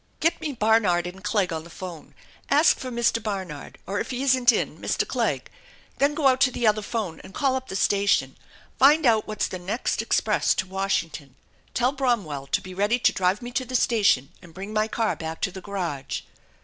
" Get me Barnard and Clegg on the phone ! Ask for Mr. Barnard or, if he isn't in, Mr. Clegg. Then go out to the other phone and call up the station. Find out what's the next express to Washington. Tell Bromwell to be ready to drive me to the station and bring my car back to the garage."